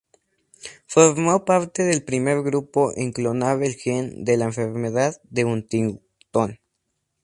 Formó parte del primer grupo en clonar el gen de la enfermedad de Huntington.